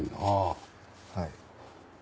はい。